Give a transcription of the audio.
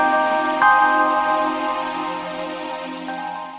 dengan masyarakat seperti